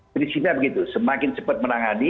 prinsipnya begitu semakin cepat menangani